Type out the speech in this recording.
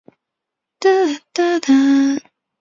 毕业于北京大学高级管理人员工商管理。